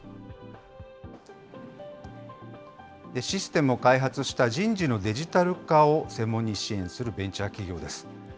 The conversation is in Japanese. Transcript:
システムを開発した人事のデジタル化を専門に支援するベンチャー企業です。